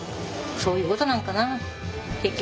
そういうことなんかな結局は。